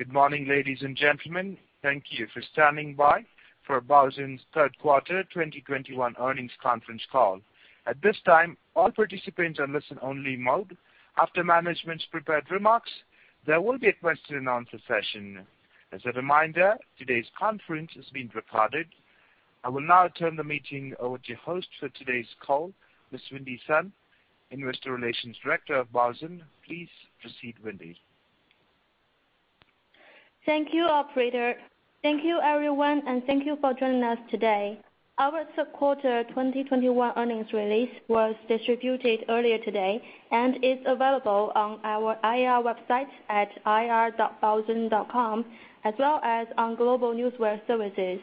Good morning, ladies and gentlemen. Thank you for standing by for Baozun's third quarter 2021 earnings conference call. At this time, all participants are in listen-only mode. After management's prepared remarks, there will be a question and answer session. As a reminder, today's conference is being recorded. I will now turn the meeting over to your host for today's call, Ms. Wendy Sun, Investor Relations Director of Baozun. Please proceed, Wendy. Thank you, operator. Thank you, everyone, and thank you for joining us today. Our third quarter 2021 earnings release was distributed earlier today and is available on our IR website at ir.baozun.com, as well as on global newswire services.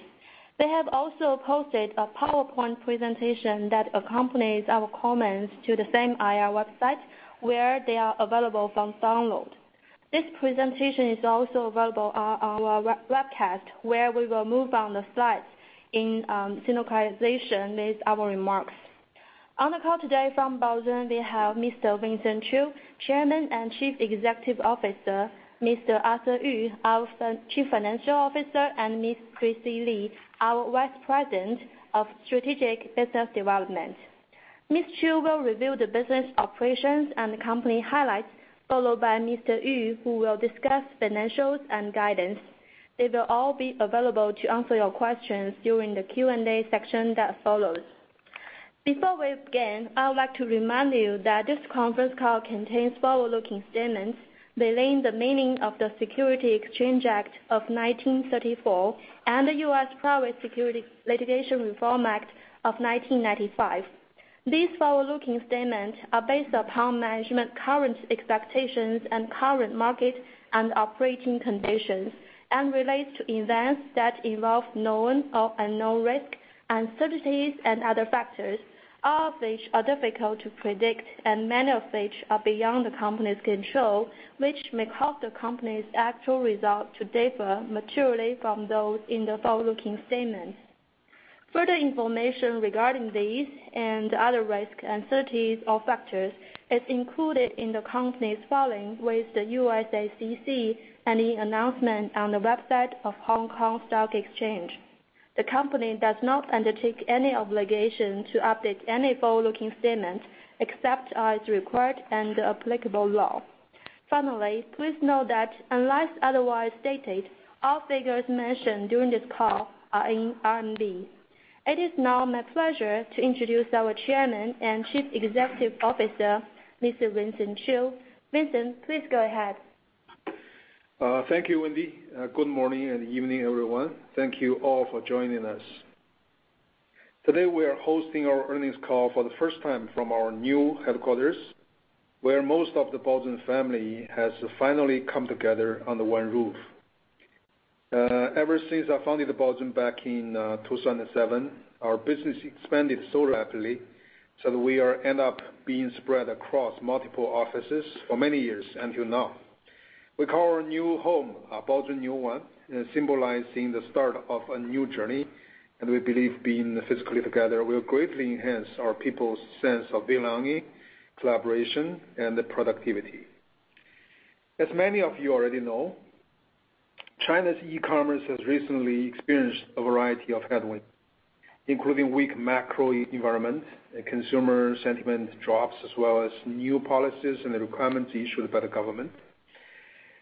We have also posted a PowerPoint presentation that accompanies our comments to the same IR website, where they are available for download. This presentation is also available on our webcast, where we will move on the slides in synchronization with our remarks. On the call today from Baozun, we have Mr. Vincent Qiu, Chairman and Chief Executive Officer, Mr. Arthur Yu, our Chief Financial Officer, and Ms. Tracy Li, our Vice President of Strategic Business Development. Mr. Qiu will review the business operations and the company highlights, followed by Mr. Yu, who will discuss financials and guidance. They will all be available to answer your questions during the Q&A section that follows. Before we begin, I would like to remind you that this conference call contains forward-looking statements within the meaning of the Securities Exchange Act of 1934 and the US Private Securities Litigation Reform Act of 1995. These forward-looking statements are based upon management's current expectations and current market and operating conditions and relates to events that involve known or unknown risk, uncertainties and other factors, all of which are difficult to predict and many of which are beyond the company's control, which may cause the company's actual results to differ materially from those in the forward-looking statements. Further information regarding these and other risks, uncertainties or factors is included in the company's filing with the SEC and the announcement on the website of Hong Kong Stock Exchange. The company does not undertake any obligation to update any forward-looking statements except as required under applicable law. Finally, please note that unless otherwise stated, all figures mentioned during this call are in RMB. It is now my pleasure to introduce our Chairman and Chief Executive Officer, Mr. Vincent Qiu. Vincent, please go ahead. Thank you, Wendy. Good morning and evening, everyone. Thank you all for joining us. Today, we are hosting our earnings call for the first time from our new headquarters, where most of the Baozun family has finally come together under one roof. Ever since I founded Baozun back in 2007, our business expanded so rapidly so that we ended up being spread across multiple offices for many years until now. We call our new home Baozun New One, symbolizing the start of a new journey, and we believe being physically together will greatly enhance our people's sense of belonging, collaboration, and productivity. As many of you already know, China's e-commerce has recently experienced a variety of headwinds, including weak macro environment and consumer sentiment drops, as well as new policies and the requirements issued by the government.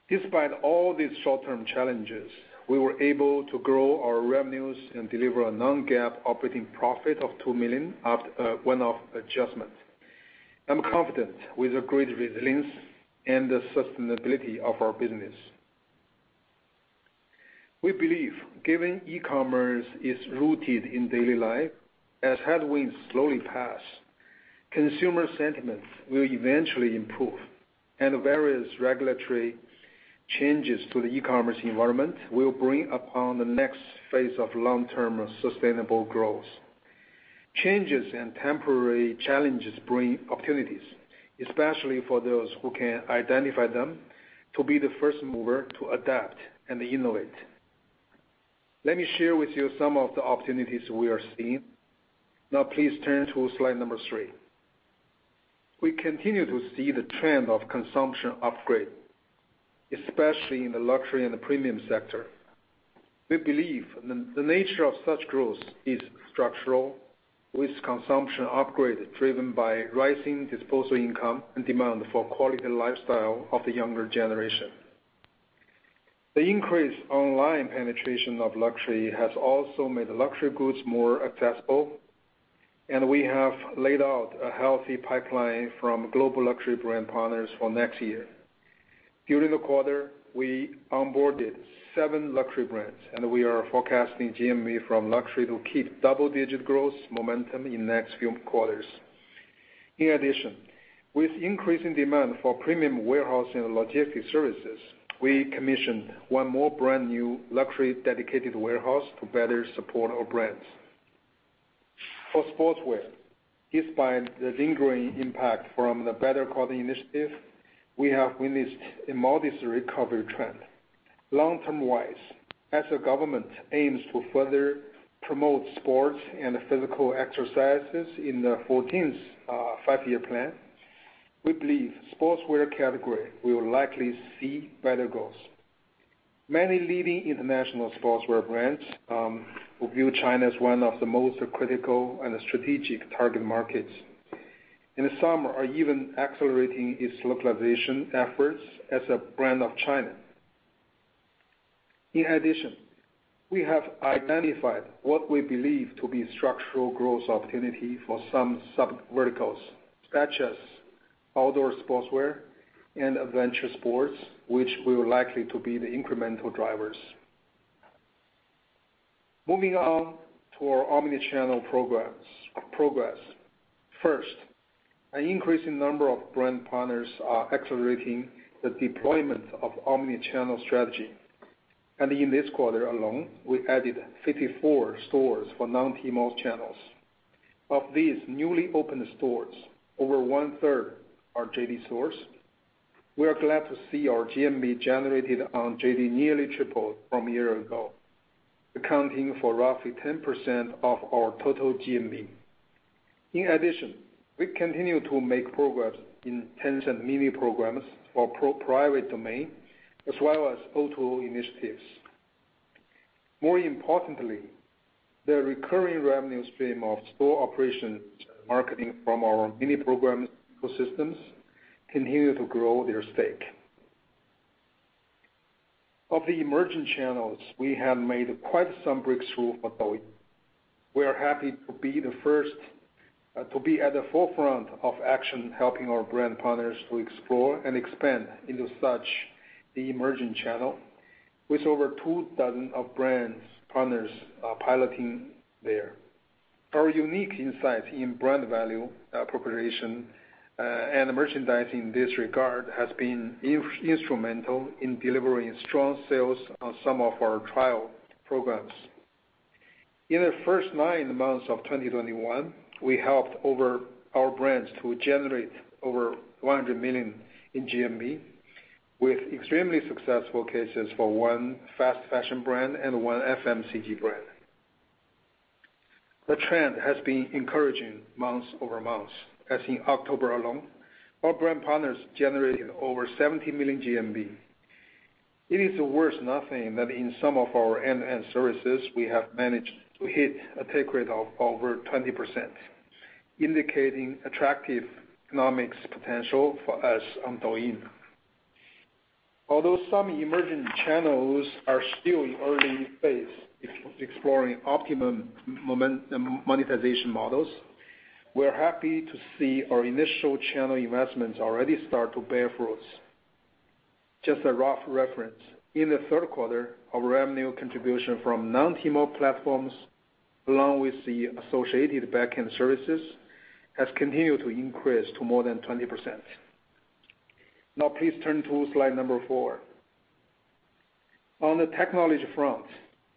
Despite all these short-term challenges, we were able to grow our revenues and deliver a non-GAAP operating profit of 2 million after one-off adjustment. I'm confident with the great resilience and the sustainability of our business. We believe, given e-commerce is rooted in daily life, as headwinds slowly pass, consumer sentiment will eventually improve and various regulatory changes to the e-commerce environment will bring upon the next phase of long-term sustainable growth. Changes and temporary challenges bring opportunities, especially for those who can identify them to be the first mover to adapt and innovate. Let me share with you some of the opportunities we are seeing. Now, please turn to slide three. We continue to see the trend of consumption upgrade, especially in the luxury and the premium sector. We believe the nature of such growth is structural, with consumption upgrade driven by rising disposable income and demand for quality lifestyle of the younger generation. The increased online penetration of luxury has also made luxury goods more accessible, and we have laid out a healthy pipeline from global luxury brand partners for next year. During the quarter, we onboarded seven luxury brands, and we are forecasting GMV from luxury to keep double-digit growth momentum in next few quarters. In addition, with increasing demand for premium warehouse and logistics services, we commissioned one more brand new luxury dedicated warehouse to better support our brands. For sportswear, despite the lingering impact from the Better Cotton Initiative, we have witnessed a modest recovery trend. Long-term wise, as the government aims to further promote sports and physical exercises in the 14th five-year plan, we believe sportswear category will likely see better growth. Many leading international sportswear brands who view China as one of the most critical and strategic target markets, in the summer, are even accelerating its localization efforts as a brand of China. In addition, we have identified what we believe to be structural growth opportunity for some sub verticals, such as outdoor sportswear and adventure sports, which will likely to be the incremental drivers. Moving on to our omni-channel progress. First, an increasing number of brand partners are accelerating the deployment of omni-channel strategy. In this quarter alone, we added 54 stores for non-Tmall channels. Of these newly opened stores, over one-third are JD.com stores. We are glad to see our GMV generated on JD.com nearly tripled from a year ago, accounting for roughly 10% of our total GMV. In addition, we continue to make progress in Tencent mini programs for pro-private domain as well as O2O initiatives. More importantly, the recurring revenue stream of store operations and marketing from our mini program ecosystems continue to grow their stake. Of the emerging channels, we have made quite some breakthrough for Douyin. We are happy to be the first to be at the forefront of action helping our brand partners to explore and expand into such the emerging channel with over 24 brand partners are piloting there. Our unique insight in brand value, preparation, and merchandising in this regard has been instrumental in delivering strong sales on some of our trial programs. In the first nine months of 2021, we helped over 100 brands to generate over 100 million in GMV with extremely successful cases for one fast fashion brand and one FMCG brand. The trend has been encouraging month-over-month, as in October alone, our brand partners generated over 70 million GMV. It is worth noting that in some of our end-to-end services, we have managed to hit a take rate of over 20%, indicating attractive economics potential for us on Douyin. Although some emerging channels are still in early phase exploring optimum monetization models, we're happy to see our initial channel investments already start to bear fruits. Just a rough reference, in the third quarter, our revenue contribution from non-Tmall platforms, along with the associated backend services, has continued to increase to more than 20%. Now please turn to slide four. On the technology front,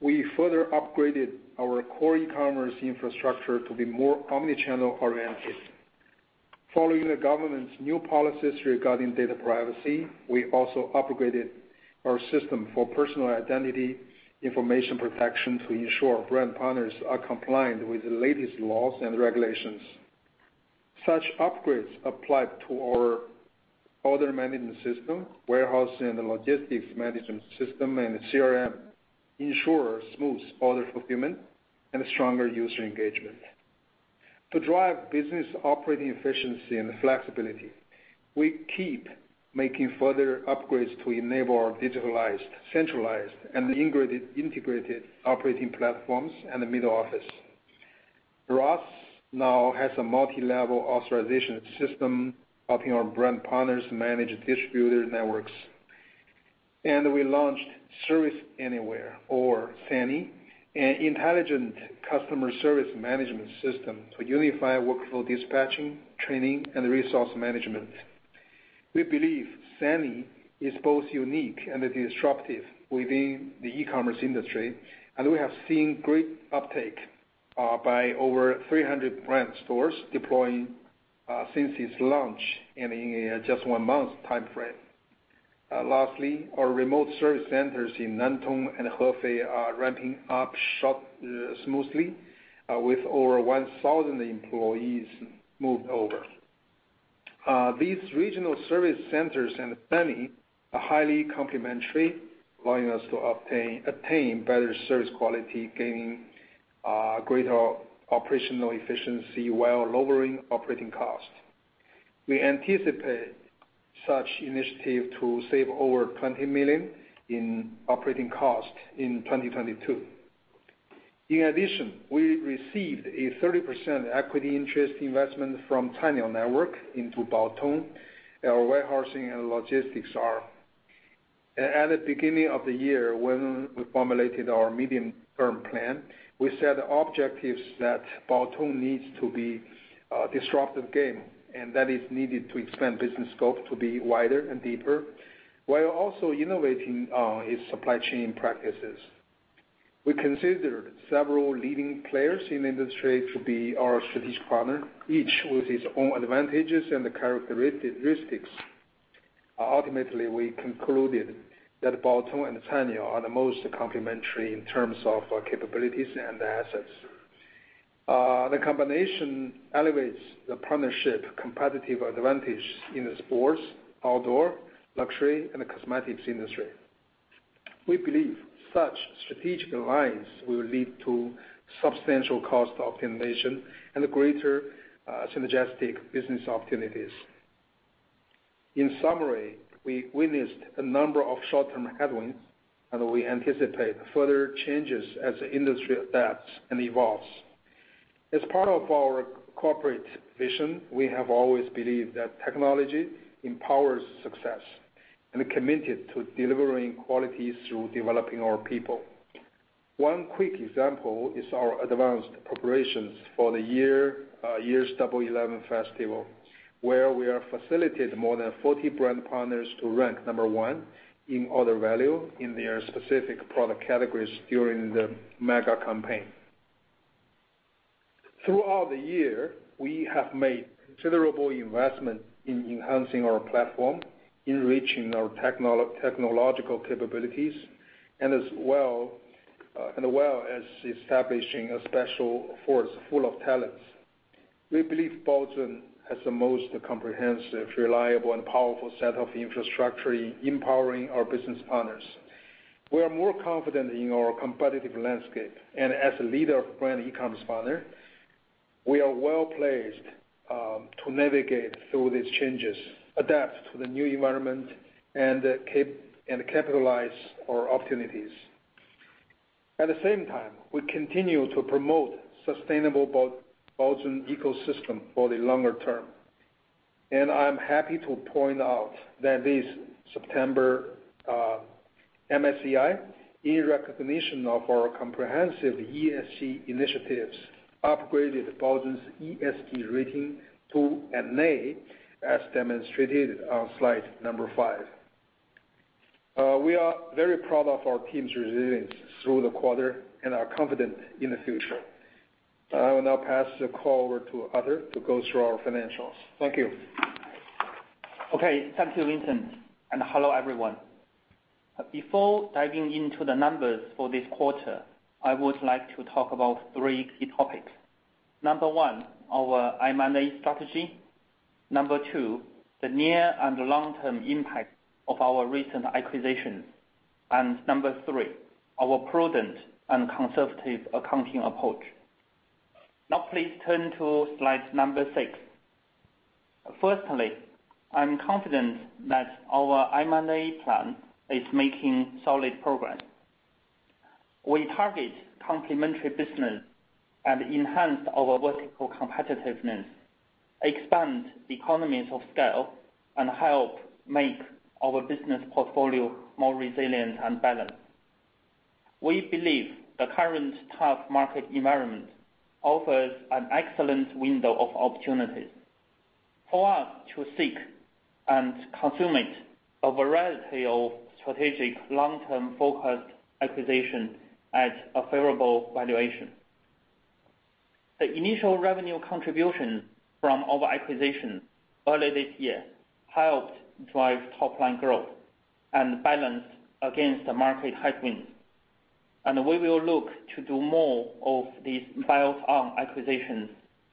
we further upgraded our core e-commerce infrastructure to be more omni-channel oriented. Following the government's new policies regarding data privacy, we also upgraded our system for personal identity information protection to ensure brand partners are compliant with the latest laws and regulations. Such upgrades applied to our order management system, warehouse and logistics management system, and CRM ensure smooth order fulfillment and stronger user engagement. To drive business operating efficiency and flexibility, we keep making further upgrades to enable our digitalized, centralized and integrated operating platforms and the middle office. ROSS now has a multilevel authorization system helping our brand partners manage distributor networks. We launched Service Anywhere or S-ANY, an intelligent customer service management system to unify workflow dispatching, training, and resource management. We believe S-ANY is both unique and disruptive within the e-commerce industry, and we have seen great uptake by over 300 brand stores deploying since its launch in just one month timeframe. Lastly, our remote service centers in Nantong and Hefei are ramping up shop smoothly with over 1,000 employees moved over. These regional service centers and S-ANY are highly complementary, allowing us to attain better service quality, gaining greater operational efficiency while lowering operating costs. We anticipate such initiative to save over 20 million in operating costs in 2022. In addition, we received a 30% equity interest investment from Cainiao Network into Baotong, our warehousing and logistics arm. At the beginning of the year, when we formulated our medium-term plan, we set objectives that Baotong needs to be a disruptive game-changer, and that's needed to expand business scope to be wider and deeper, while also innovating its supply chain practices. We considered several leading players in the industry to be our strategic partners, each with its own advantages and characteristics. Ultimately, we concluded that Baozun and Sanyou are the most complementary in terms of capabilities and assets. The combination elevates the partnership's competitive advantage in the sports, outdoor, luxury, and cosmetics industry. We believe such strategic alliance will lead to substantial cost optimization and greater synergistic business opportunities. In summary, we witnessed a number of short-term headwinds, and we anticipate further changes as the industry adapts and evolves. As part of our corporate vision, we have always believed that technology empowers success, and are committed to delivering quality through developing our people. One quick example is our advanced preparations for the year's Double Eleven festival, where we facilitated more than 40 brand partners to rank number one in order value in their specific product categories during the mega campaign. Throughout the year, we have made considerable investment in enhancing our platform, enriching our technological capabilities, as well as establishing a special force full of talents. We believe Baozun has the most comprehensive, reliable and powerful set of infrastructure empowering our business partners. We are more confident in our competitive landscape, and as a leader of brand e-commerce partner, we are well-placed to navigate through these changes, adapt to the new environment and capitalize on our opportunities. At the same time, we continue to promote sustainable Baozun ecosystem for the longer term, and I'm happy to point out that this September, MSCI, in recognition of our comprehensive ESG initiatives, upgraded Baozun's ESG rating to A, as demonstrated on slide number five. We are very proud of our team's resilience through the quarter and are confident in the future. I will now pass the call over to Arthur to go through our financials. Thank you. Okay. Thank you, Vincent. Hello, everyone. Before diving into the numbers for this quarter, I would like to talk about three key topics. Number one, our M&A strategy. Number two, the near and long-term impact of our recent acquisitions. Number three, our prudent and conservative accounting approach. Now please turn to slide number six. Firstly, I'm confident that our M&A plan is making solid progress. We target complementary business and enhance our vertical competitiveness, expand economies of scale, and help make our business portfolio more resilient and balanced. We believe the current tough market environment offers an excellent window of opportunity for us to seek and consummate a variety of strategic long-term focused acquisition at a favorable valuation. The initial revenue contribution from our acquisition early this year helped drive top line growth and balance against the market headwinds. We will look to do more of these buyout acquisitions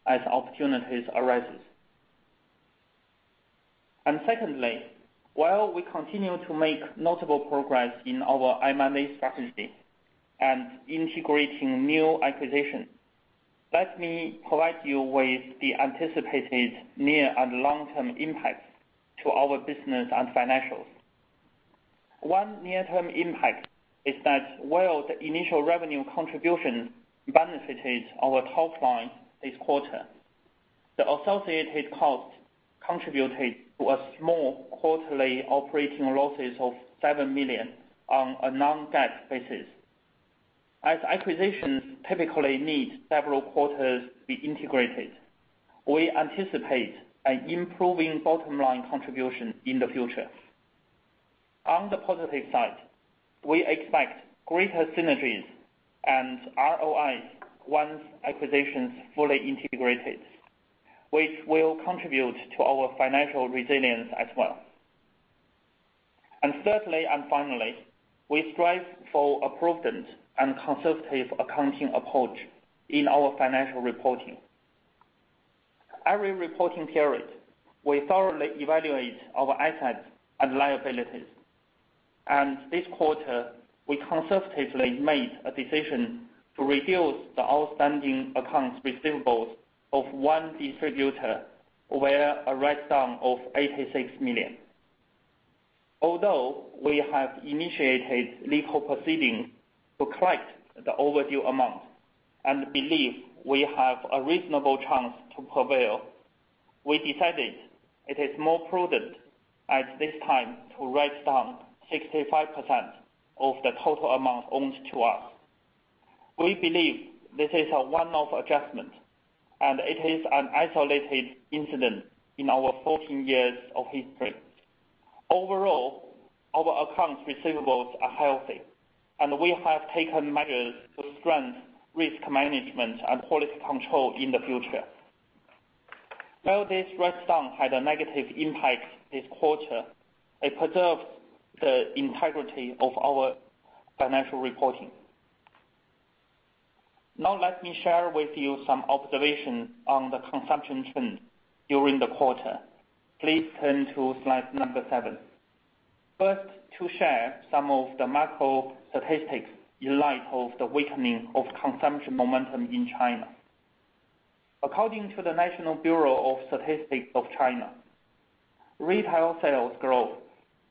as opportunities arise. Secondly, while we continue to make notable progress in our M&A strategy and integrating new acquisitions, let me provide you with the anticipated near- and long-term impacts to our business and financials. One near-term impact is that while the initial revenue contribution benefited our top line this quarter, the associated costs contributed to a small quarterly operating loss of 7 million on a non-GAAP basis. As acquisitions typically need several quarters to be integrated, we anticipate an improving bottom line contribution in the future. On the positive side, we expect greater synergies and ROIs once acquisitions are fully integrated, which will contribute to our financial resilience as well. Thirdly and finally, we strive for a prudent and conservative accounting approach in our financial reporting. Every reporting period, we thoroughly evaluate our assets and liabilities, and this quarter, we conservatively made a decision to reduce the outstanding accounts receivable of one distributor where a write-down of 86 million. Although we have initiated legal proceedings to collect the overdue amount and believe we have a reasonable chance to prevail, we decided it is more prudent at this time to write down 65% of the total amount owed to us. We believe this is a one-off adjustment, and it is an isolated incident in our 14 years of history. Overall, our accounts receivable are healthy, and we have taken measures to strengthen risk management and quality control in the future. While this write-down had a negative impact this quarter, it preserves the integrity of our financial reporting. Now, let me share with you some observations on the consumption trend during the quarter. Please turn to slide seven. First, to share some of the macro statistics in light of the weakening of consumption momentum in China. According to the National Bureau of Statistics of China, retail sales growth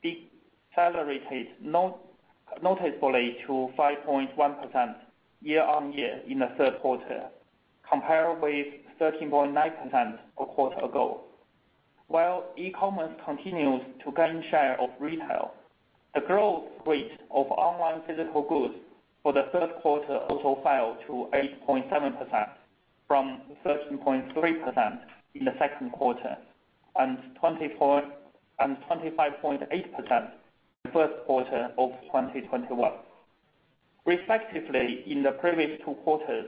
decelerated noticeably to 5.1% year-on-year in the third quarter, compared with 13.9% a quarter ago. While e-commerce continues to gain share of retail, the growth rate of online physical goods for the third quarter also fell to 8.7% from 13.3% in the second quarter, and 25.8% the first quarter of 2021. Respectively, in the previous two quarters,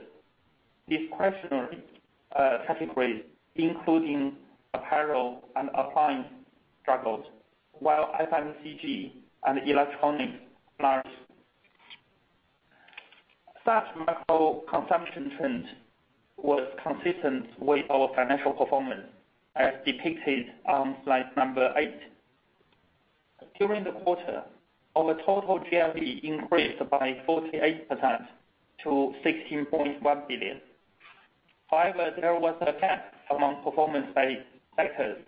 discretionary categories, including apparel and appliance, struggled, while FMCG and electronics flourished. Such macro consumption trends was consistent with our financial performance as depicted on slide eight. During the quarter, our total GMV increased by 48% to 16.1 billion. However, there was a cap among performance by sectors.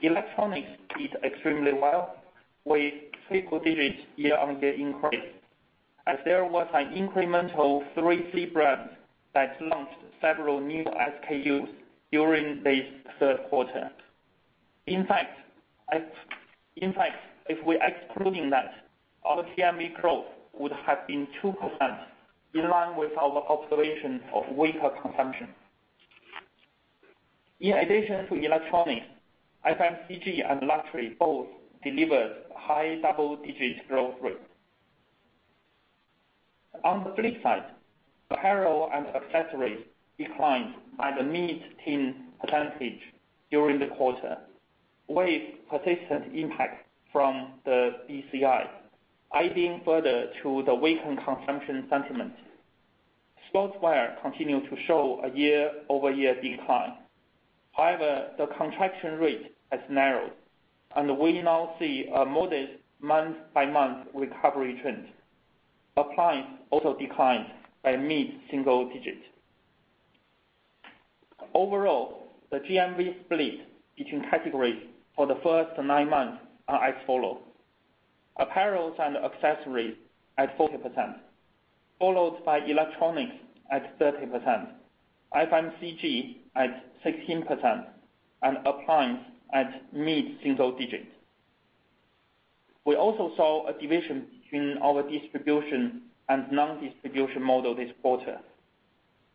Electronics did extremely well with triple digits year-on-year increase, as there was an incremental 3C brand that launched several new SKUs during this third quarter. In fact, if we're excluding that, our GMV growth would have been 2% in line with our observation of weaker consumption. In addition to electronics, FMCG and luxury both delivered high double-digit growth rate. On the flip side, apparel and accessories declined by the mid-teens % during the quarter with persistent impact from the BCI, adding further to the weakened consumption sentiment. Sportswear continued to show a year-over-year decline. However, the contraction rate has narrowed, and we now see a modest month-by-month recovery trend. Appliance also declined by mid-single-digit. Overall, the GMV split between categories for the first nine months are as follow. Apparels and accessories at 40%, followed by electronics at 30%, FMCG at 16%, and appliance at mid-single digit. We also saw a division between our distribution and non-distribution model this quarter.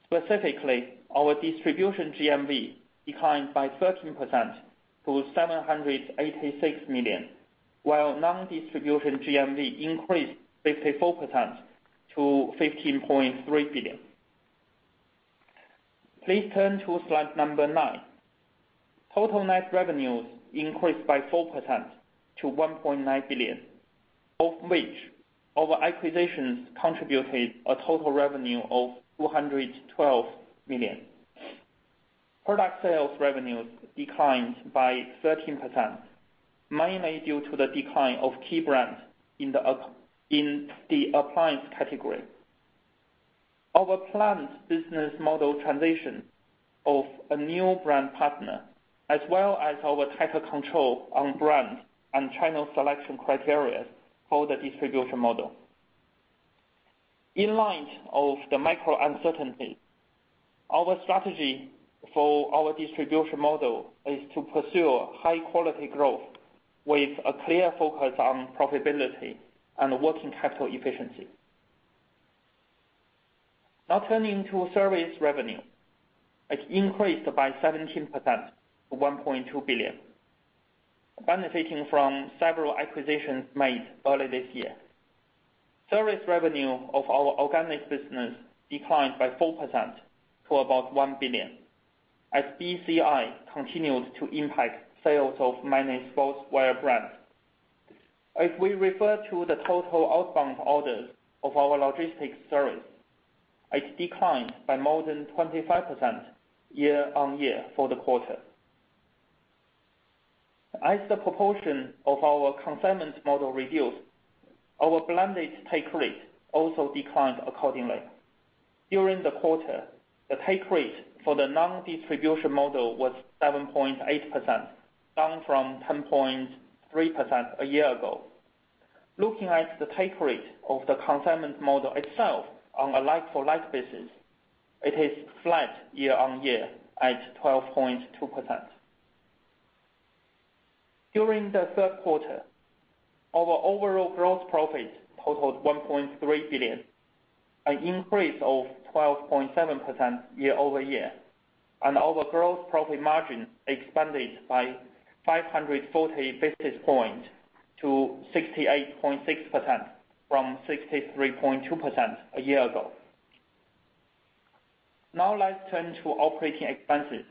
Specifically, our distribution GMV declined 13% to 786 million, while non-distribution GMV increased 54% to 15.3 billion. Please turn to slide nine. Total net revenues increased 4% to 1.9 billion, of which our acquisitions contributed a total revenue of 212 million. Product sales revenues declined 13%, mainly due to the decline of key brands in the appliance category. Our planned business model transition of a new brand partner, as well as our tighter control on brand and channel selection criteria for the distribution model. In light of the macro uncertainty, our strategy for our distribution model is to pursue high quality growth with a clear focus on profitability and working capital efficiency. Now, turning to service revenue. It increased by 17% to 1.2 billion, benefiting from several acquisitions made early this year. Service revenue of our organic business declined by 4% to about 1 billion, as BCI continued to impact sales of many sportswear brands. If we refer to the total outbound orders of our logistics service, it declined by more than 25% year-on-year for the quarter. As the proportion of our consignment model reduced, our blended take rate also declined accordingly. During the quarter, the take rate for the non-distribution model was 7.8%, down from 10.3% a year ago. Looking at the take rate of the consignment model itself on a like-for-like basis, it is flat year-on-year at 12.2%. During the third quarter, our overall gross profit totaled 1.3 billion, an increase of 12.7% year-over-year, and our gross profit margin expanded by 540 basis points to 68.6% from 63.2% a year ago. Now let's turn to operating expenses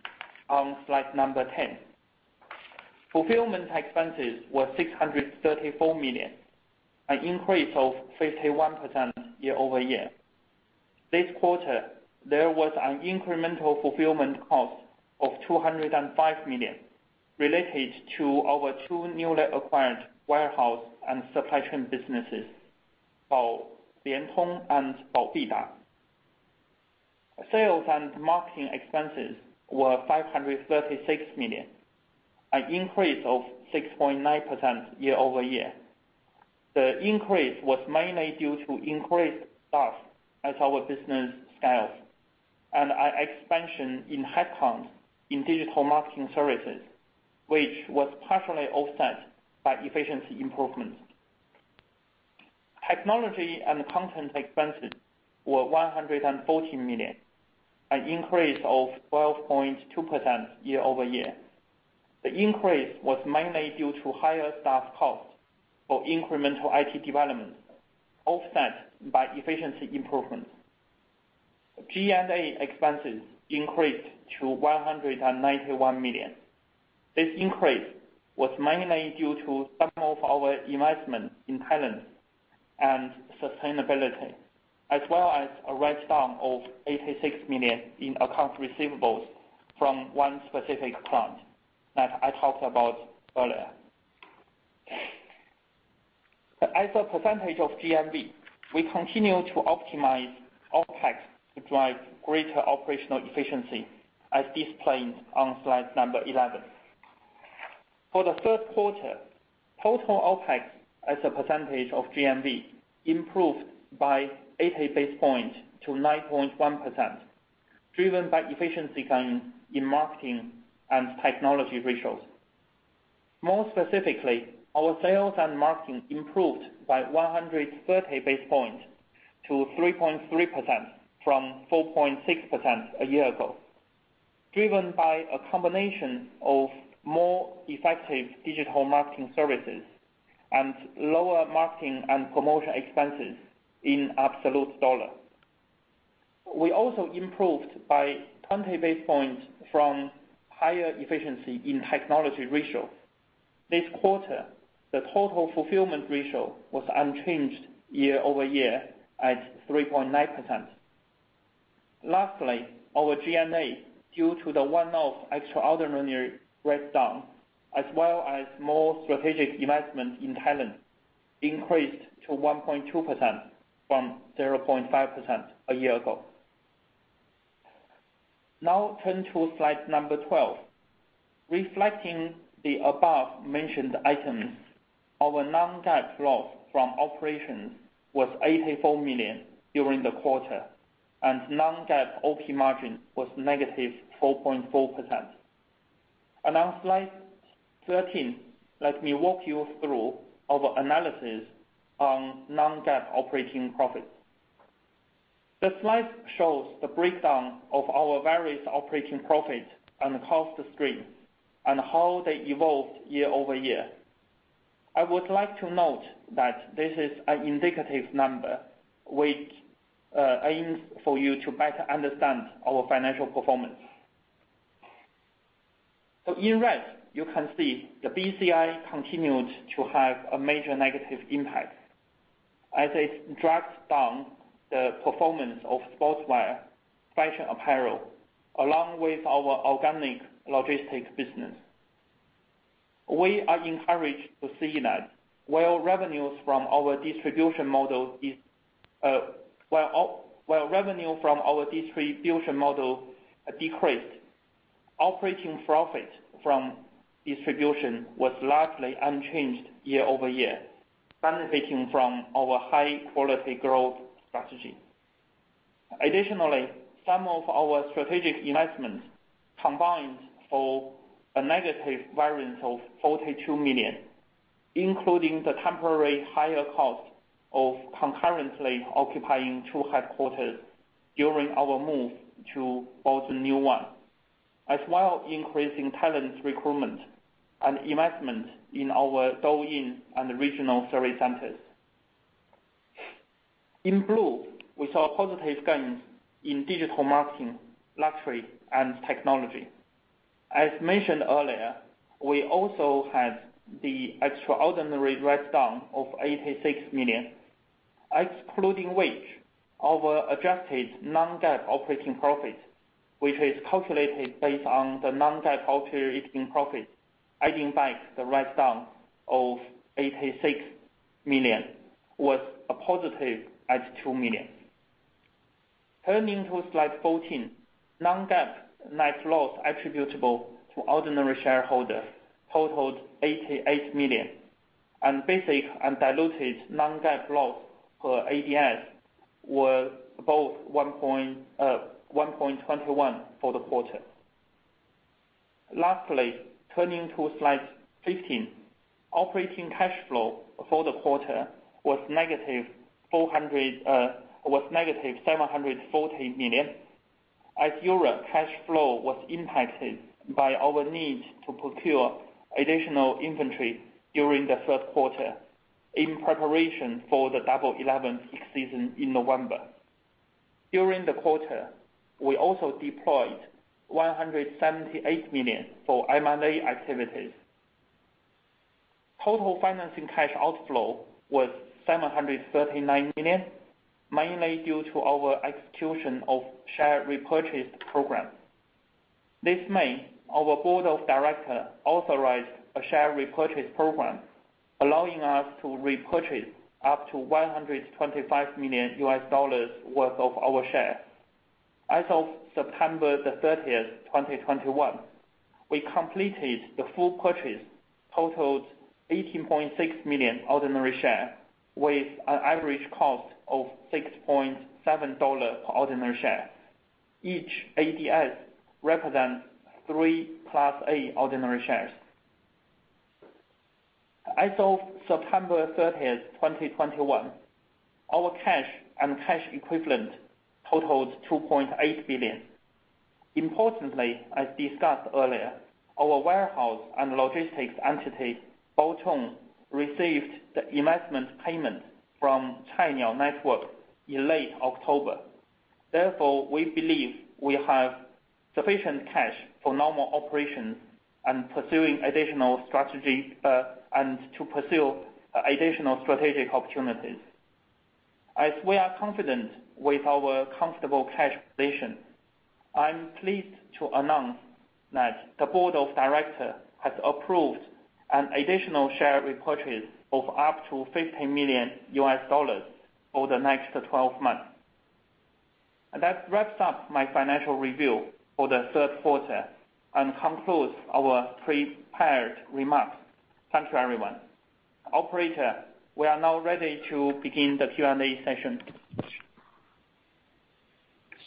on slide 10. Fulfillment expenses were 634 million, an increase of 51% year-over-year. This quarter, there was an incremental fulfillment cost of 205 million related to our two newly acquired warehouse and supply chain businesses, Baotong and Baobida. Sales and marketing expenses were 536 million, an increase of 6.9% year-over-year. The increase was mainly due to increased staff as our business scales and our expansion in headcount in digital marketing services, which was partially offset by efficiency improvements. Technology and content expenses were 140 million, an increase of 12.2% year-over-year. The increase was mainly due to higher staff costs for incremental IT development, offset by efficiency improvements. G&A expenses increased to 191 million. This increase was mainly due to some of our investment in talent and sustainability, as well as a write-down of 86 million in accounts receivables from one specific client that I talked about earlier. As a percentage of GMV, we continue to optimize OpEx to drive greater operational efficiency, as displayed on slide 11. For the third quarter, total OpEx as a percentage of GMV improved by 80 basis points to 9.1%, driven by efficiency gains in marketing and technology ratios. More specifically, our sales and marketing improved by 130 basis points to 3.3% from 4.6% a year ago, driven by a combination of more effective digital marketing services and lower marketing and promotion expenses in absolute dollar. We also improved by 20 basis points from higher efficiency in technology ratio. This quarter, the total fulfillment ratio was unchanged year-over-year at 3.9%. Lastly, our G&A, due to the one-off extraordinary write-down, as well as more strategic investment in talent, increased to 1.2% from 0.5% a year ago. Now turn to slide number 12. Reflecting the above mentioned items, our non-GAAP loss from operations was 84 million during the quarter, and non-GAAP OP margin was -4.4%. On slide 13, let me walk you through our analysis on non-GAAP operating profits. The slide shows the breakdown of our various operating profits and cost stream and how they evolved year-over-year. I would like to note that this is an indicative number which aims for you to better understand our financial performance. In red, you can see the BCI continued to have a major negative impact as it drags down the performance of sportswear, fashion apparel, along with our organic logistics business. We are encouraged to see that while revenue from our distribution model decreased, operating profit from distribution was largely unchanged year-over-year, benefiting from our high-quality growth strategy. Additionally, some of our strategic investments combined for a negative variance of 42 million, including the temporary higher cost of concurrently occupying two headquarters during our move to build a new one, as well increasing talent recruitment and investment in our Douyin and regional service centers. In blue, we saw positive gains in digital marketing, luxury, and technology. As mentioned earlier, we also had the extraordinary write-down of 86 million, excluding which our adjusted non-GAAP operating profit, which is calculated based on the non-GAAP operating profit, adding back the write-down of 86 million, was a positive at 2 million. Turning to slide 14, non-GAAP net loss attributable to ordinary shareholders totaled 88 million, and basic and diluted non-GAAP loss per ADS were both 1.21 for the quarter. Lastly, turning to slide 15. Operating cash flow for the quarter was negative 400 million. Was negative 740 million. European cash flow was impacted by our need to procure additional inventory during the third quarter in preparation for the Double Eleven peak season in November. During the quarter, we also deployed 178 million for M&A activities. Total financing cash outflow was 739 million, mainly due to our execution of share repurchase program. This May, our board of directors authorized a share repurchase program allowing us to repurchase up to $125 million worth of our shares. As of September 30, 2021, we completed the full purchase totaled 18.6 million ordinary shares with an average cost of $6.7 per ordinary share. Each ADS represents three plus eight ordinary shares. As of September 30, 2021, our cash and cash equivalents totaled 2.8 billion. Importantly, as discussed earlier, our warehouse and logistics entity, Baotong, received the investment payment from Cainiao Network in late October. Therefore, we believe we have sufficient cash for normal operations and to pursue additional strategic opportunities. As we are confident with our comfortable cash position, I'm pleased to announce that the board of directors has approved an additional share repurchase of up to $50 million for the next 12 months. That wraps up my financial review for the third quarter and concludes our prepared remarks. Thanks to everyone. Operator, we are now ready to begin the Q&A session.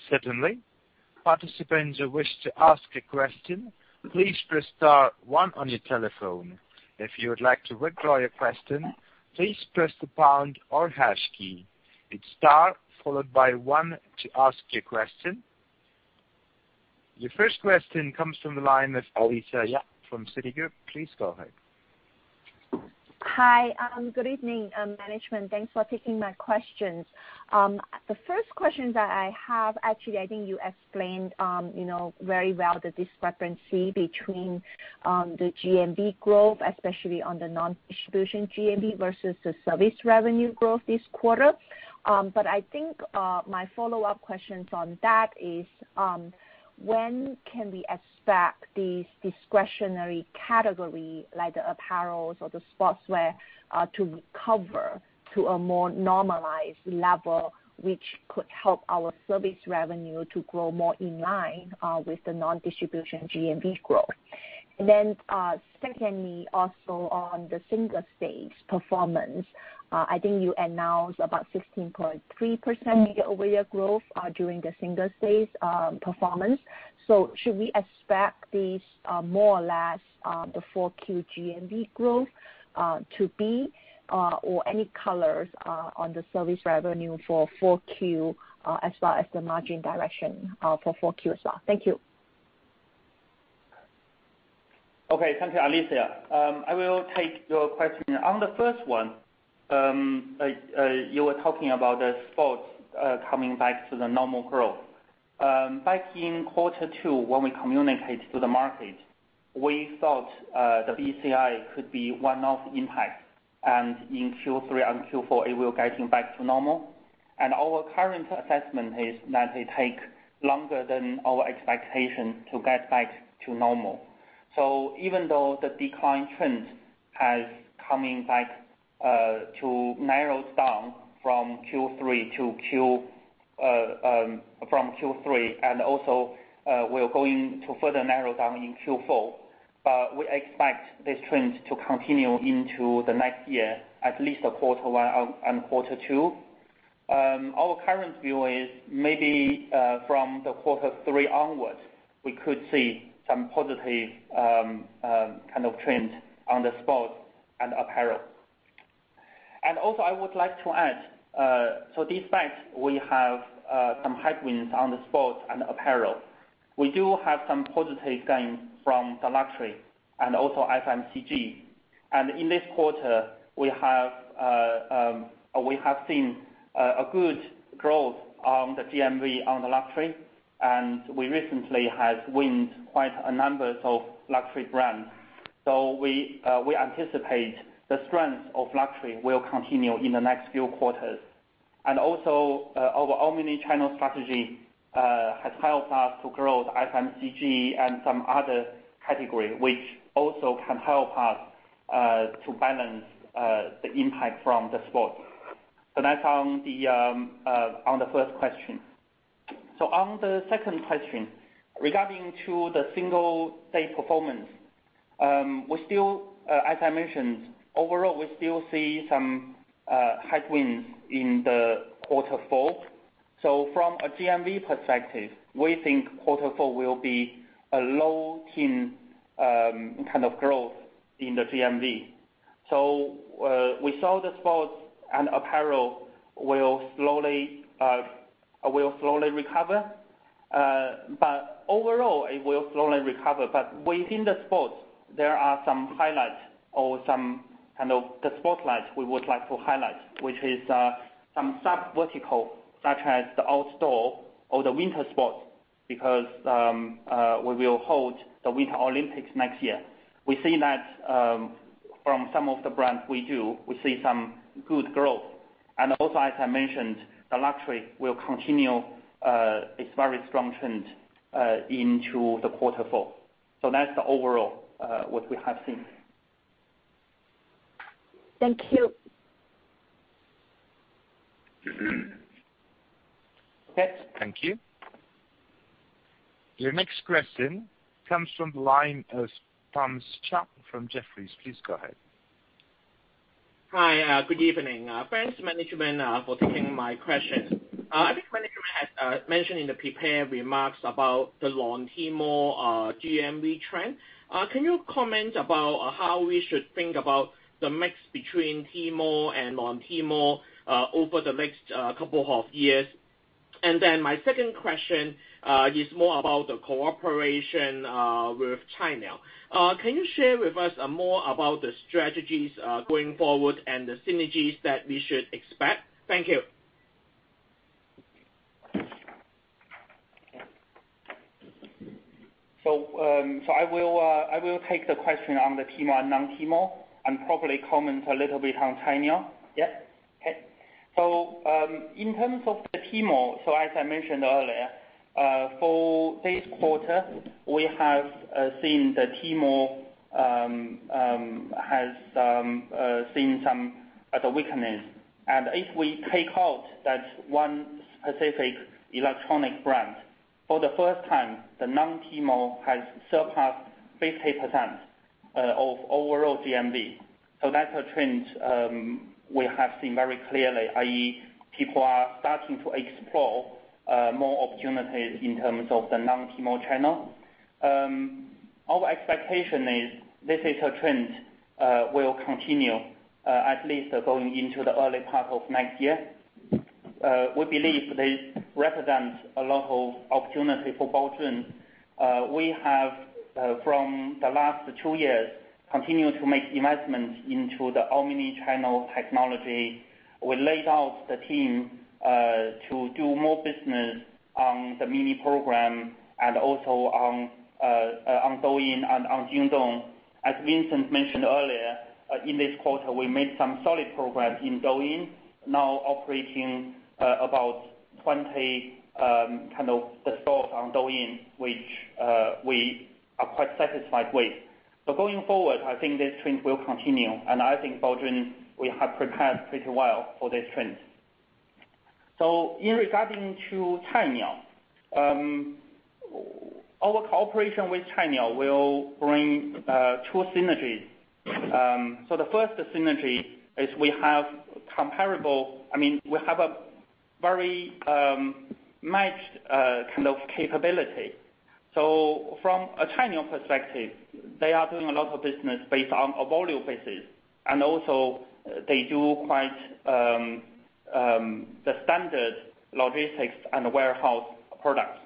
Certainly. Participants who wish to ask a question, please press star one on your telephone. If you would like to withdraw your question, please press the pound or hash key. It's star followed by one to ask your question. Your first question comes from the line of Alicia Yap from Citigroup. Please go ahead. Hi. Good evening, management. Thanks for taking my questions. Actually, I think you explained you know very well the discrepancy between the GMV growth, especially on the non-distribution GMV versus the service revenue growth this quarter. But I think my follow-up question on that is, when can we expect these discretionary category, like the apparel or the sportswear, to recover to a more normalized level which could help our service revenue to grow more in line with the non-distribution GMV growth? Secondly, also on the Singles' Day performance, I think you announced about 16.3% year-over-year growth during the Singles' Day performance. Should we expect this, more or less, the 4Q GMV growth, to be, or any colors, on the service revenue for 4Q, as well as the margin direction, for 4Q as well? Thank you. Okay, thank you, Alicia. I will take your question. On the first one, you were talking about the sports coming back to the normal growth. Back in quarter two, when we communicate to the market, we thought the BCI could be one-off impact. In Q3 and Q4, it will get back to normal. Our current assessment is that it takes longer than our expectation to get back to normal. Even though the decline trend has come back to narrow down from Q3 and also we are going to further narrow down in Q4, we expect this trend to continue into the next year, at least the quarter one and quarter two. Our current view is maybe from quarter three onwards, we could see some positive kind of trends on the sports and apparel. I would like to add. Despite we have some headwinds on the sports and apparel, we do have some positive gains from the luxury and also FMCG. In this quarter, we have seen a good growth on the GMV on the luxury, and we recently have won quite a number of luxury brands. We anticipate the strength of luxury will continue in the next few quarters. Our omni-channel strategy has helped us to grow FMCG and some other category, which also can help us to balance the impact from the sport. That's on the first question. On the second question, regarding to the Singles' Day performance. We still, as I mentioned, overall, we still see some headwinds in the quarter four. From a GMV perspective, we think quarter four will be a low-teens kind of growth in the GMV. We saw the sports and apparel will slowly recover. Overall, it will slowly recover. Within the sports, there are some highlights or some kind of the spotlight we would like to highlight, which is some subvertical, such as the outdoor or the winter sports, because we will hold the Winter Olympics next year. We've seen that from some of the brands we do. We see some good growth. Also, as I mentioned, the luxury will continue its very strong trend into the quarter four. That's the overall what we have seen. Thank you. Okay. Thank you. Your next question comes from the line of Thomas Chong from Jefferies. Please go ahead. Hi. Good evening. Thanks management for taking my question. I think management has mentioned in the prepared remarks about the non-Tmall GMV trend. Can you comment about how we should think about the mix between Tmall and non-Tmall over the next couple of years? My second question is more about the cooperation with Cainiao. Can you share with us more about the strategies going forward and the synergies that we should expect? Thank you. I will take the question on the Tmall and non-Tmall and probably comment a little bit on Cainiao. In terms of the Tmall, as I mentioned earlier, for this quarter, we have seen the Tmall has seen some weakness. If we take out that one specific electronic brand, for the first time, the non-Tmall has surpassed 50% of overall GMV. That's a trend we have seen very clearly, i.e., people are starting to explore more opportunities in terms of the non-Tmall channel. Our expectation is this is a trend will continue at least going into the early part of next year. We believe this represents a lot of opportunity for Baozun. We have, from the last two years, continued to make investments into the omni-channel technology. We laid out the team, to do more business on the mini program and also on on Douyin and on Jingdong. As Vincent mentioned earlier, in this quarter, we made some solid progress in Douyin, now operating about 20 kind of the stores on Douyin, which we are quite satisfied with. Going forward, I think this trend will continue, and I think Baozun, we have prepared pretty well for this trend. In regarding to Cainiao, our cooperation with Cainiao will bring two synergies. The first synergy is we have comparable, I mean, we have a very matched kind of capability. From a Cainiao perspective, they are doing a lot of business based on a volume basis. They do quite the standard logistics and warehouse products.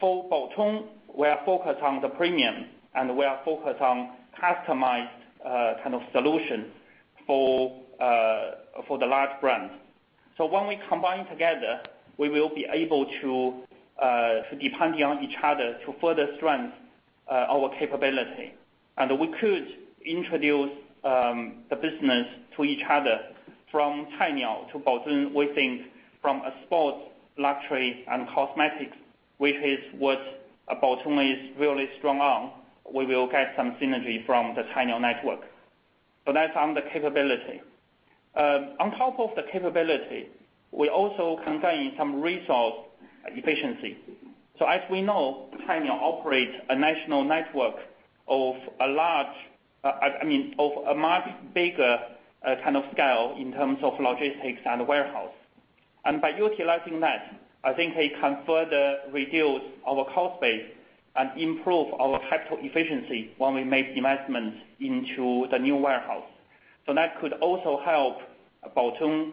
For Baozun, we are focused on the premium, and we are focused on customized kind of solution for the large brands. When we combine together, we will be able to depend on each other to further strengthen our capability. We could introduce the business to each other from Cainiao to Baozun. We think from a sports, luxury and cosmetics, which is what Baozun is really strong on, we will get some synergy from the Cainiao network. That's on the capability. On top of the capability, we also can gain some resource efficiency. As we know, Cainiao operates a national network of a much bigger kind of scale in terms of logistics and warehouse. By utilizing that, I think it can further reduce our cost base and improve our capital efficiency when we make investments into the new warehouse. That could also help Baozun to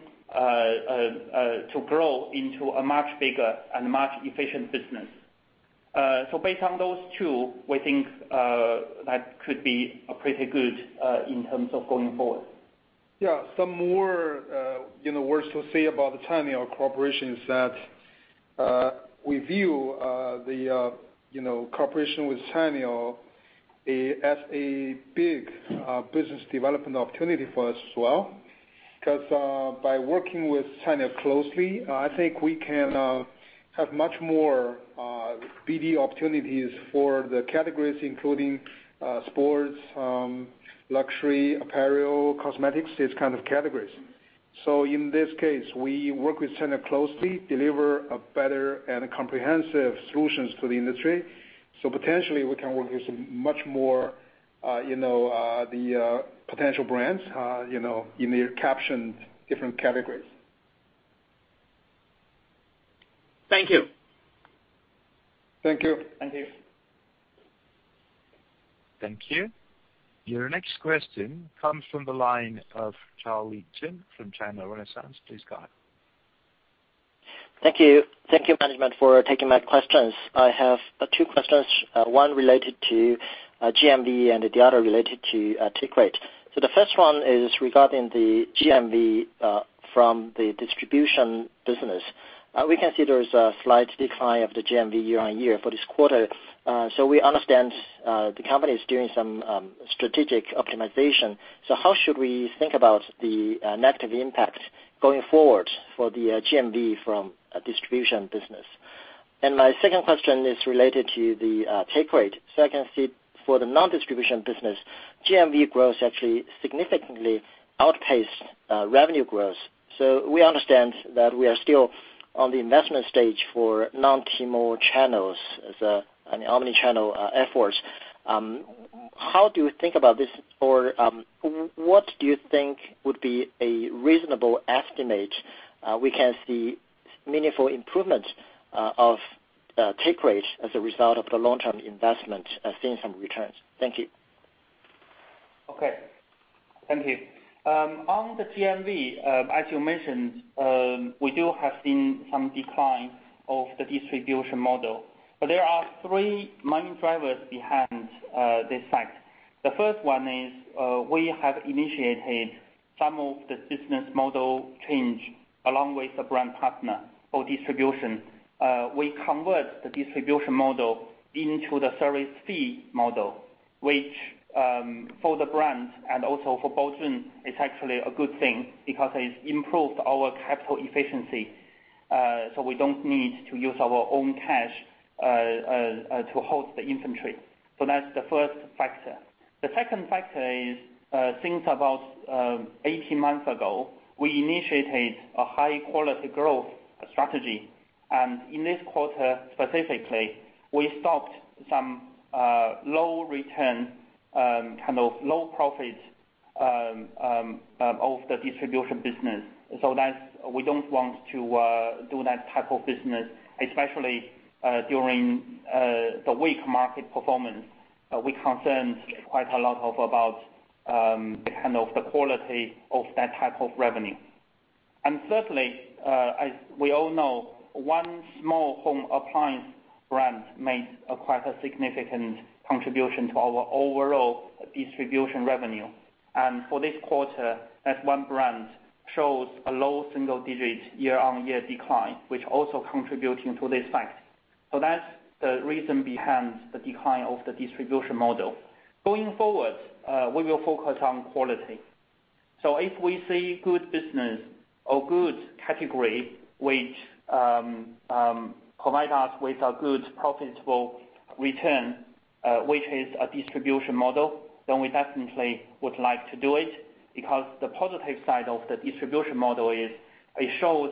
grow into a much bigger and much efficient business. Based on those two, we think that could be a pretty good in terms of going forward. Yeah. Some more, you know, words to say about the Cainiao cooperation is that we view the, you know, cooperation with Cainiao as a big business development opportunity for us as well. 'Cause by working with Cainiao closely, I think we can have much more BD opportunities for the categories, including sports, luxury, apparel, cosmetics, these kind of categories. In this case, we work with clients closely, deliver a better and comprehensive solutions to the industry. Potentially we can work with so much more, you know, the potential brands, you know, in their captioned different categories. Thank you. Thank you. Your next question comes from the line of Charlie Chen from China Renaissance. Please go ahead. Thank you. Thank you, management for taking my questions. I have two questions, one related to GMV and the other related to take rate. The first one is regarding the GMV from the distribution business. We can see there is a slight decline of the GMV year-on-year for this quarter. We understand the company is doing some strategic optimization. How should we think about the negative impact going forward for the GMV from a distribution business? My second question is related to the take rate. I can see for the non-distribution business, GMV growth actually significantly outpaced revenue growth. We understand that we are still on the investment stage for non-Tmall channels as an omni-channel efforts. How do you think about this? What do you think would be a reasonable estimate we can see meaningful improvement of take rate as a result of the long-term investment seeing some returns? Thank you. Okay. Thank you. On the GMV, as you mentioned, we do have seen some decline of the distribution model. There are three main drivers behind this fact. The first one is, we have initiated some of the business model change along with the brand partner for distribution. We convert the distribution model into the service fee model, which, for the brands and also for Baozun, it's actually a good thing because it improved our capital efficiency, so we don't need to use our own cash to hold the inventory. So that's the first factor. The second factor is, since about 18 months ago, we initiated a high quality growth strategy. In this quarter specifically, we stopped some low return kind of low profit of the distribution business. We don't want to do that type of business, especially during the weak market performance. We're concerned quite a lot about kind of the quality of that type of revenue. Thirdly, as we all know, one small home appliance brand made a significant contribution to our overall distribution revenue. For this quarter, that one brand shows a low single-digit year-on-year decline, which also is contributing to this fact. That's the reason behind the decline of the distribution model. Going forward, we will focus on quality. If we see good business or good category which provide us with a good profitable return, which is a distribution model, then we definitely would like to do it because the positive side of the distribution model is it shows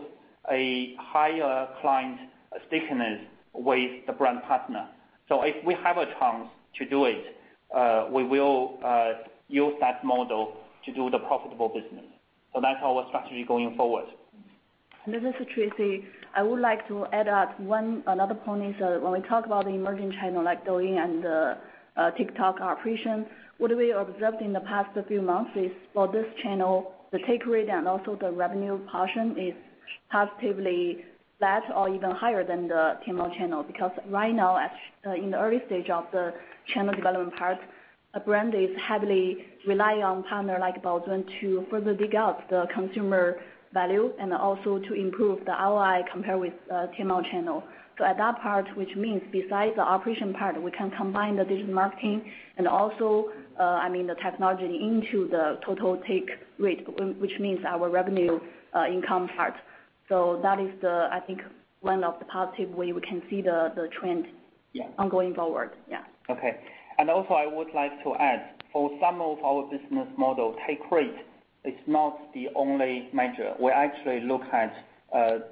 a higher client stickiness with the brand partner. If we have a chance to do it, we will use that model to do the profitable business. That's our strategy going forward. This is Tracy. I would like to add another point is that when we talk about the emerging channel like Douyin and the TikTok operation, what we observed in the past few months is for this channel, the take rate and also the revenue portion is positively flat or even higher than the Tmall channel. Because right now, in the early stage of the channel development part, a brand is heavily rely on partner like Baozun to further dig out the consumer value and also to improve the ROI compared with Tmall channel. At that part, which means besides the operation part, we can combine the digital marketing and also, I mean, the technology into the total take rate, which means our revenue income part. That is the, I think, one of the positive way we can see the trend. Yeah. going forward. Yeah. Okay. Also I would like to add, for some of our business model, take rate is not the only measure. We actually look at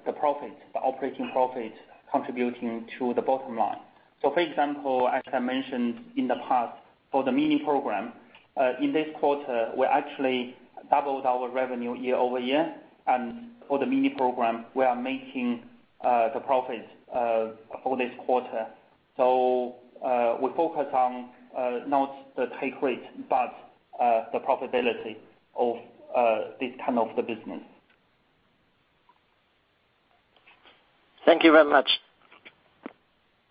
the profit, the operating profit contributing to the bottom line. For example, as I mentioned in the past, for the mini program in this quarter, we actually doubled our revenue year-over-year. For the mini program, we are making the profits for this quarter. We focus on not the take rate, but the profitability of this kind of the business. Thank you very much.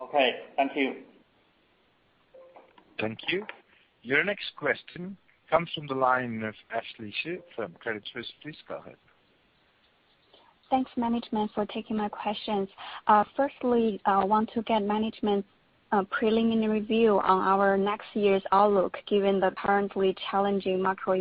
Okay, thank you. Thank you. Your next question comes from the line of Ashley Xu from Credit Suisse. Please go ahead. Thanks, management, for taking my questions. Firstly, I want to get management's preliminary review on our next year's outlook, given the currently challenging macro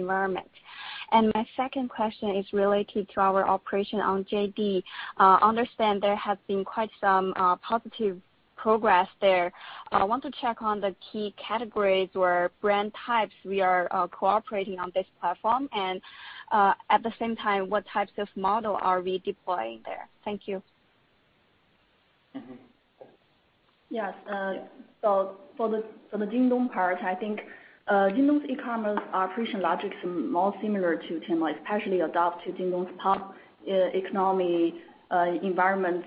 environment. My second question is related to our operation on JD.com. I understand there has been quite some positive progress there. I want to check on the key categories or brand types we are cooperating on this platform. At the same time, what types of model are we deploying there? Thank you. For the Jingdong part, I think Jingdong's e-commerce operation logics are more similar to Tmall, like partially adapted to Jingdong's top e-commerce environment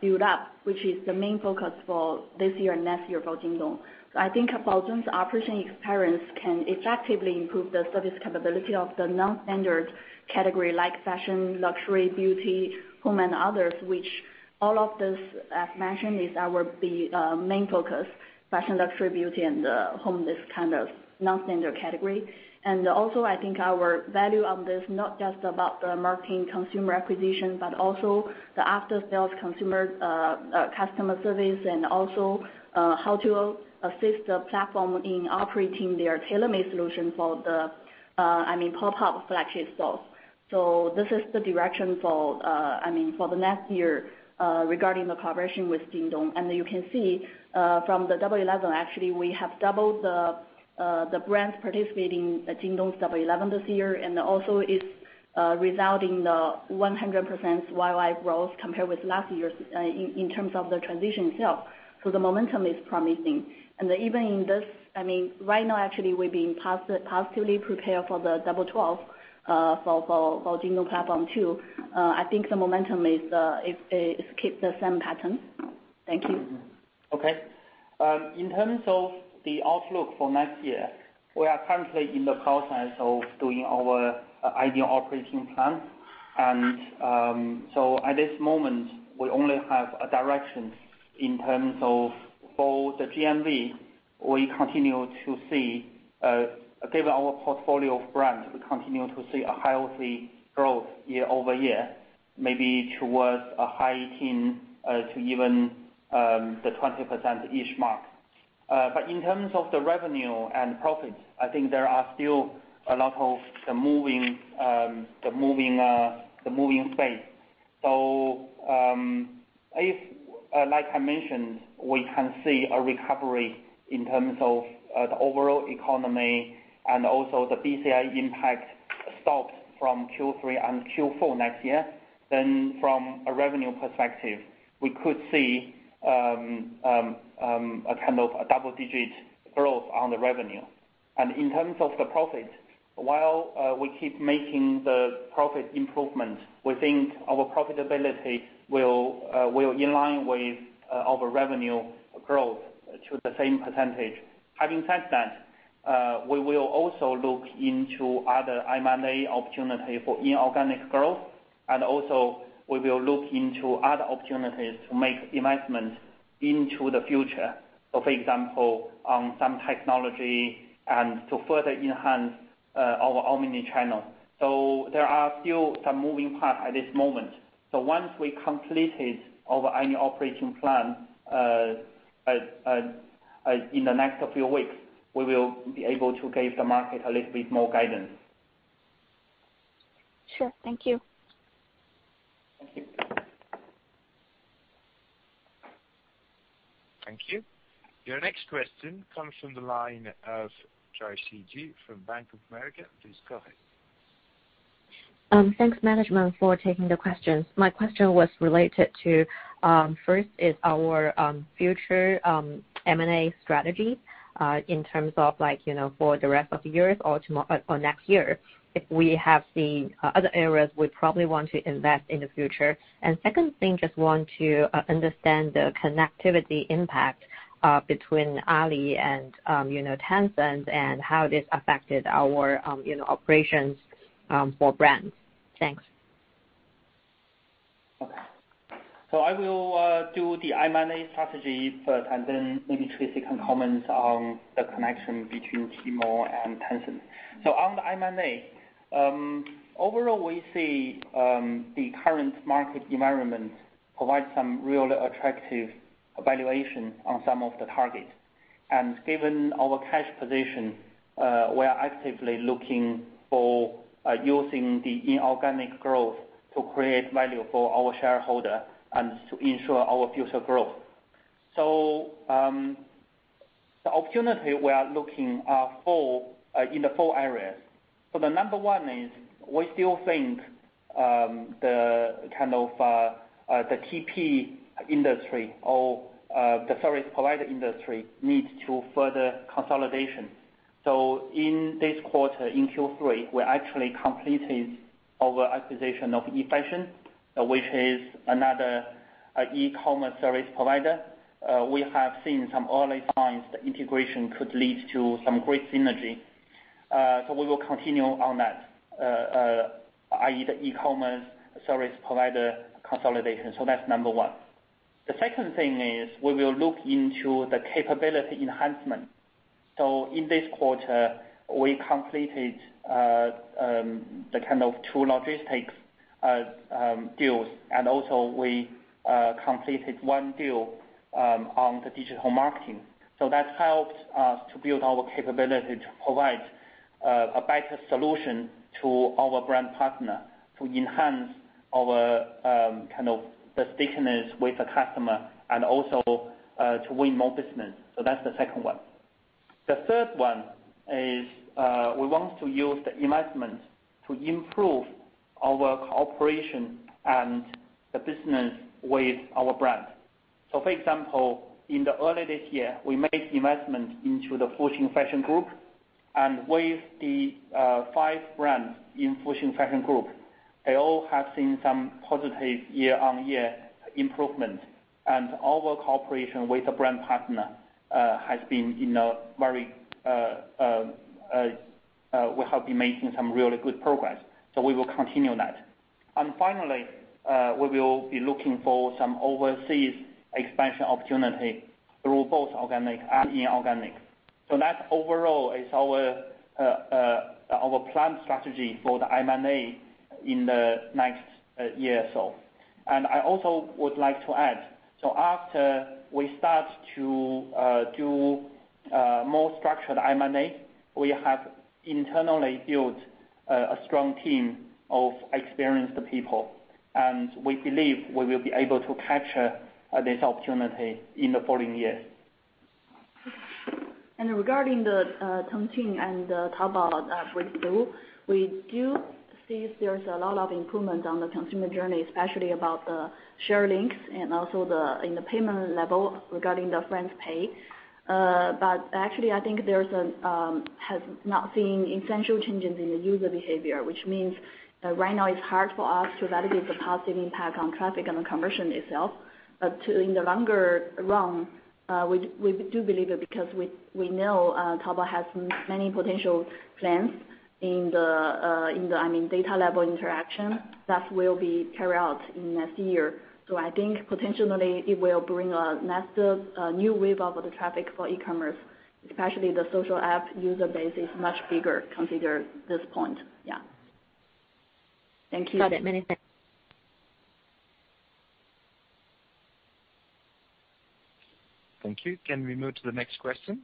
build-up, which is the main focus for this year and next year for Jingdong. I think Baozun's operating experience can effectively improve the service capability of the non-standard category like fashion, luxury, beauty, home and others, which all of this, as mentioned, is our big main focus, fashion, luxury, beauty and home, this kind of non-standard category. I think our value on this, not just about the marketing consumer acquisition, but also the after-sales consumer customer service and also how to assist the platform in operating their tailor-made solution for the, I mean, pop-up flagship stores. This is the direction for, I mean, for the next year, regarding the collaboration with Jingdong. You can see from the Double Eleven, actually, we have doubled the brands participating at Jingdong's Double Eleven this year, and also it's resulting in the 100% YY growth compared with last year's in terms of the transaction itself. The momentum is promising. Even in this, I mean, right now, actually, we're being positively prepared for the Double Twelve, for Jingdong platform too. I think the momentum is, it keeps the same pattern. Thank you. Okay. In terms of the outlook for next year, we are currently in the process of doing our annual operating plan. At this moment, we only have a direction in terms of both the GMV. We continue to see, given our portfolio of brands, a healthy growth year over year, maybe towards a high 18% to even the 20%-ish mark. In terms of the revenue and profits, I think there are still a lot of the moving space. If, like I mentioned, we can see a recovery in terms of the overall economy and also the BCI impact stopped from Q3 and Q4 next year, then from a revenue perspective, we could see a kind of a double-digit growth on the revenue. In terms of the profit, while we keep making the profit improvement, we think our profitability will in line with our revenue growth to the same percentage. Having said that, we will also look into other M&A opportunity for inorganic growth, and also we will look into other opportunities to make investments into the future, for example, on some technology and to further enhance our omni-channel. There are still some moving parts at this moment. Once we completed our annual operating plan in the next few weeks, we will be able to give the market a little bit more guidance. Sure. Thank you. Thank you. Thank you. Your next question comes from the line of Joyce Ju from Bank of America. Please go ahead. Thanks, management, for taking the questions. My question was related to, first is our future M&A strategy, in terms of like, you know, for the rest of the year or next year, if we have seen other areas we probably want to invest in the future. Second thing, just want to understand the connectivity impact between Alibaba and, you know, Tencent and how this affected our, you know, operations for brands. Thanks. Okay. I will do the M&A strategy first, and then maybe Tracy can comment on the connection between Tmall and Tencent. On the M&A, overall, we see the current market environment provide some really attractive valuation on some of the targets. Given our cash position, we are actively looking for using the inorganic growth to create value for our shareholder and to ensure our future growth. The opportunity we are looking are for in the four areas. The number one is we still think the kind of TP industry or the service provider industry needs to further consolidation. In this quarter, in Q3, we actually completed our acquisition of eFashion, which is another e-commerce service provider. We have seen some early signs the integration could lead to some great synergy. We will continue on that, i.e., the e-commerce service provider consolidation. That's number one. The second thing is we will look into the capability enhancement. In this quarter, we completed the kind of two logistics deals, and also we completed one deal on the digital marketing. That helps us to build our capability to provide a better solution to our brand partner to enhance our kind of the stickiness with the customer and also to win more business. That's the second one. The third one is, we want to use the investments to improve our cooperation and the business with our brand. For example, in early this year, we made investment into the Fosun Fashion Group. With the five brands in Fosun Fashion Group, they all have seen some positive year-on-year improvement. Our cooperation with the brand partner, we have been making some really good progress. We will continue that. Finally, we will be looking for some overseas expansion opportunity through both organic and inorganic. That overall is our planned strategy for the M&A in the next year or so. I also would like to add. After we start to do more structured M&A, we have internally built a strong team of experienced people. We believe we will be able to capture this opportunity in the following year. Regarding the WeChat and the Taobao that with Lu, we do see there's a lot of improvement on the consumer journey, especially about the share links and also in the payment level regarding the friends pay. Actually I think there has not been essential changes in the user behavior, which means that right now it's hard for us to validate the positive impact on traffic and the conversion itself. In the longer run, we do believe it because we know Taobao has many potential plans in the, I mean, data-level interaction that will be carried out in next year. I think potentially it will bring a massive new wave of the traffic for e-commerce, especially the social app user base is much bigger considering this point. Yeah. Thank you. Got it. Many thanks. Thank you. Can we move to the next question?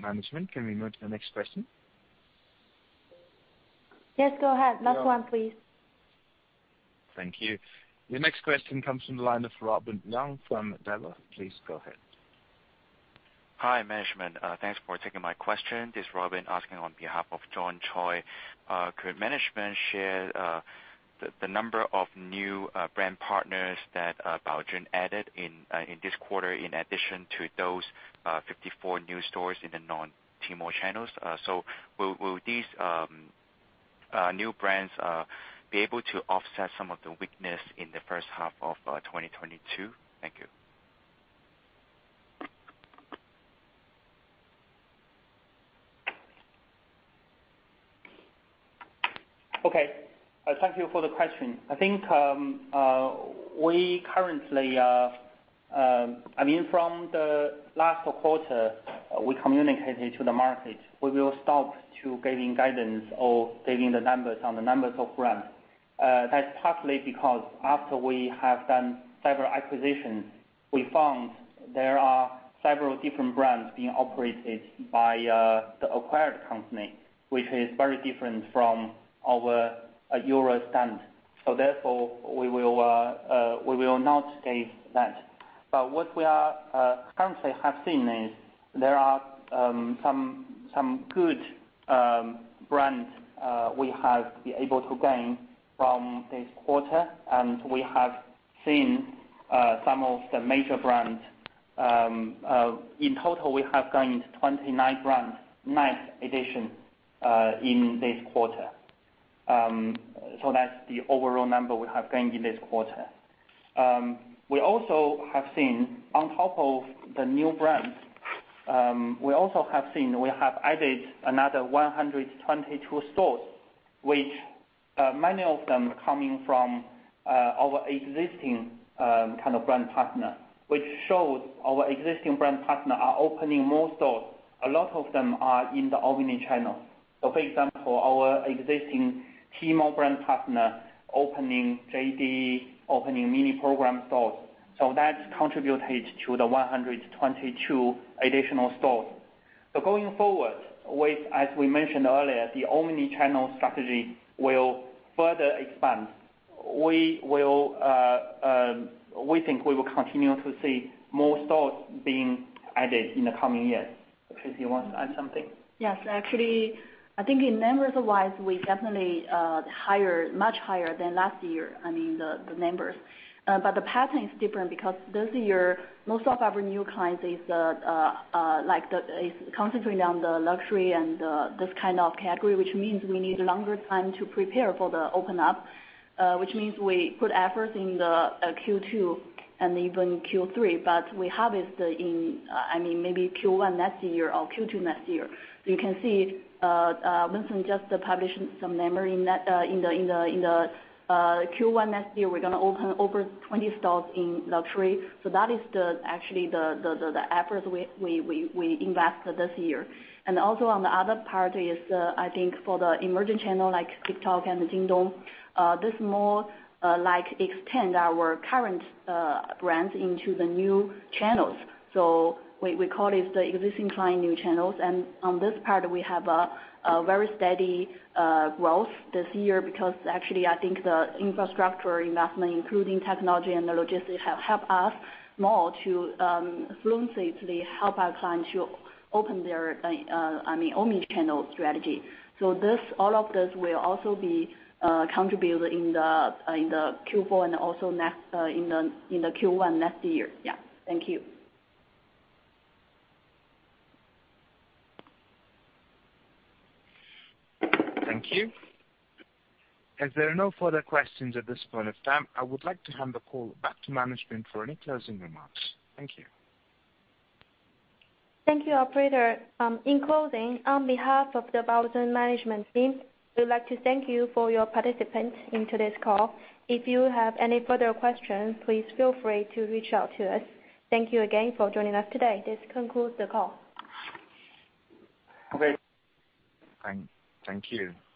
Management, can we move to the next question? Yes, go ahead. Last one, please. Thank you. Your next question comes from the line of Robin Leung from Daiwa. Please go ahead. Hi, management. Thanks for taking my question. This is Robin asking on behalf of John Choi. Could management share the number of new brand partners that Baozun added in this quarter in addition to those 54 new stores in the non-Tmall channels? Will these new brands be able to offset some of the weakness in the first half of 2022? Thank you. Okay. Thank you for the question. I think, we currently, I mean, from the last quarter we communicated to the market, we will stop to giving guidance or giving the numbers on the numbers of brands. That's partly because after we have done several acquisitions, we found there are several different brands being operated by, the acquired company, which is very different from our, usual standard. Therefore, we will not give that. But what we are, currently have seen is there are, some good brands, we have been able to gain from this quarter, and we have seen, some of the major brands. In total, we have gained 29 brands net addition, in this quarter. That's the overall number we have gained in this quarter. We also have seen on top of the new brands, we have added another 122 stores, which, many of them are coming from, our existing, kind of brand partner. Which shows our existing brand partner are opening more stores. A lot of them are in the omni-channel. For example, our existing Tmall brand partner opening JD.com, opening mini-program stores. That's contributed to the 122 additional stores. Going forward with, as we mentioned earlier, the omni-channel strategy will further expand. We think we will continue to see more stores being added in the coming years. Tracy, you want to add something? Yes. Actually, I think in numbers-wise, we definitely higher, much higher than last year, I mean the numbers. But the pattern is different because this year most of our new clients is concentrating on the luxury and this kind of category, which means we need longer time to prepare for the open up. Which means we put efforts in the Q2 and even Q3, but we harvest in, I mean, maybe Q1 next year or Q2 next year. You can see, Winston just published some number in the Q1 next year, we're gonna open over 20 stores in luxury. So that is actually the effort we invest this year. Also on the other part is, I think for the emerging channel like TikTok and the Jingdong, this more like extend our current brands into the new channels. We call it the existing client new channels. On this part we have a very steady growth this year because actually I think the infrastructure investment, including technology and the logistics, have helped us more fluently to help our clients to open their, I mean, omni-channel strategy. All of this will also be contributed in the Q4 and also next in the Q1 next year. Yeah. Thank you. Thank you. As there are no further questions at this point of time, I would like to hand the call back to management for any closing remarks. Thank you. Thank you, operator. In closing, on behalf of the Baozun management team, we would like to thank you for your participation in today's call. If you have any further questions, please feel free to reach out to us. Thank you again for joining us today. This concludes the call. Okay. Thank you.